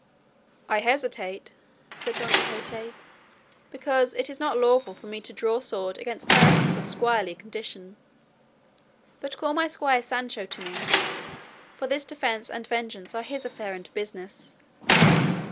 "I hesitate," said Don Quixote, "because it is not lawful for me to draw sword against persons of squirely condition; but call my squire Sancho to me; for this defence and vengeance are his affair and business."